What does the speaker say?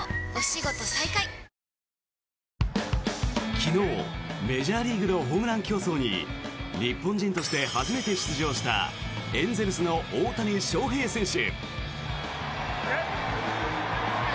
昨日、メジャーリーグのホームラン競争に日本人として初めて出場したエンゼルスの大谷翔平選手。